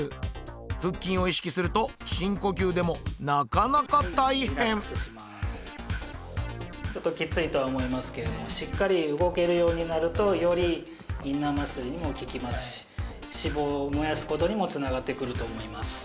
腹筋を意識すると深呼吸でもなかなか大変ちょっときついとは思いますけれどもしっかり動けるようになるとよりインナーマッスルにも効きますし脂肪を燃やすことにもつながってくると思います。